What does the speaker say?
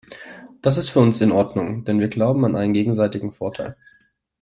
Das ist für uns in Ordnung, denn wir glauben an einen gegenseitigen Vorteil.